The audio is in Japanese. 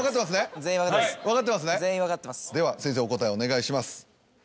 では先生お答えお願いします。